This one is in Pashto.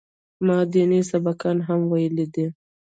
ما ديني سبقان هم ويلي دي.